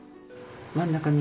真ん中に？